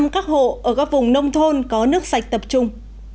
một trăm linh các hộ ở các vùng nông thôn có nước sạch tập trung